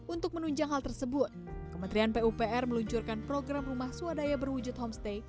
untuk menunjang hal tersebut kementerian pupr meluncurkan program rumah swadaya berwujud homestay